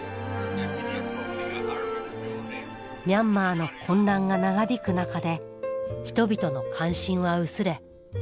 ミャンマーの混乱が長引く中で人々の関心は薄れ